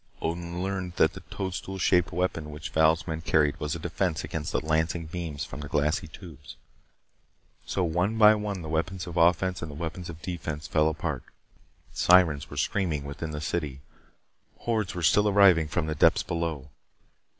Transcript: Odin learned that the toadstool shaped weapon which Val's men carried was a defense against the lancing beams from the glassy tubes. So one by one the weapons of offense and the weapons of defense fell apart. Sirens were screaming within the city. Hordes were still arriving from the depths below.